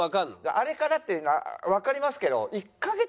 「あれかな？」っていうのはわかりますけど。